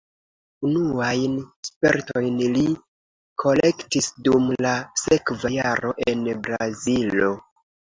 Unuajn spertojn li kolektis dum la sekva jaro en Brazilo.